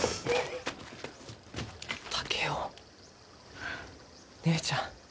竹雄姉ちゃん。